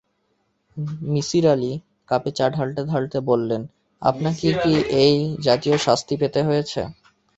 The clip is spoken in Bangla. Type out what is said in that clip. নিসার আলি কাপে চা ঢালতে-ঢালতে বললেন, আপনাকে কি এই জাতীয় শাস্তি পেতে হয়েছে?